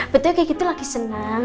betul kayak kita lagi senang